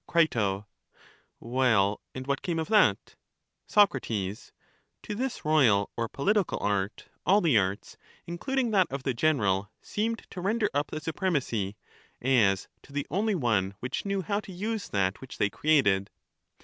Cri, Well, and what came of that? Soc. To this royal or political art all the arts, in cluding that of the general, seemed to render up the supremacy, as to the only one which knew how to use that which they created.